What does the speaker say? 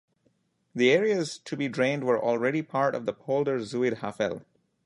The areas to be drained were already part of the polder Zuid Haffel.